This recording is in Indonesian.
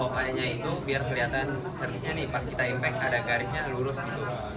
pokoknya itu biar kelihatan servisnya nih pas kita impact ada garisnya lurus gitu